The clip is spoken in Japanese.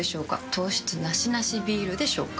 糖質ナシナシビールでしょうか？